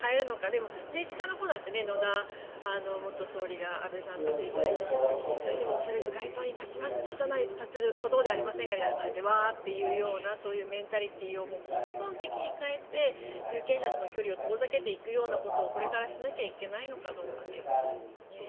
でも、政治家のほうだって野田元総理が安倍さんの追悼演説の時にそれでも恐れず街頭に立とうではありませんかということでわーっというようなそういうメンタリティーを根本的に変えて有権者との距離を遠ざけていくようなことをこれからしなきゃいけないのかどうかですよね。